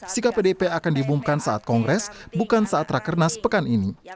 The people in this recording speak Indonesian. sikap pdip akan diumumkan saat kongres bukan saat rakernas pekan ini